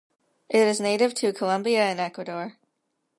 It is native to Colombia and Ecuador.